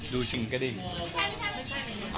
ดูจริงก็ได้